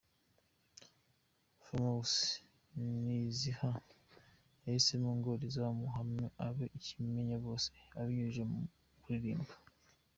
Famous ni iziha yahisemo ngo rizamuhame abe ikimenyabose abinyujije mu kuririmba.